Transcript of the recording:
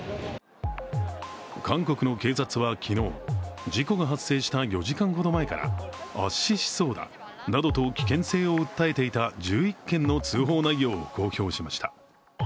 韓国の警察は昨日事故が発生した４時間ほど前から圧死しそうだなどと危険性を訴えいていた１１件の通報内容を公表しました。